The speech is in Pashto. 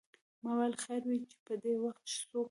ما ویل خیر وې چې پدې وخت څوک شو.